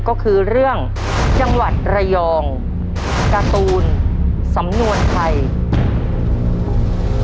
ก็คือเรื่องจังหวัดระยองการ์ตูนสำนวนไทย